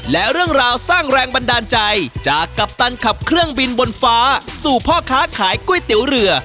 และเรื่องราวสร้างแรงบันดาลใจจากกัปตันขับเครื่องบินบนฟ้าสู่พ่อค้าขายก๋วยเตี๋ยวเรือ